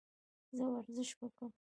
زه ورزش وکم؟